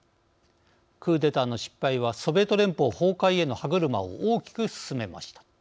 クーデターの失敗はソビエト連邦崩壊への歯車を大きく進めました。